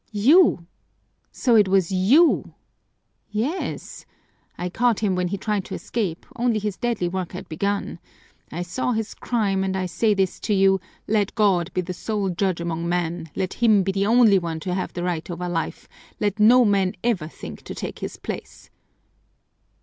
"You! So it was you " "Yes! I caught him when he tried to escape, once his deadly work had begun. I saw his crime, and I say this to you: let God be the sole judge among men, let Him be the only one to have the right over life, let no man ever think to take His place!"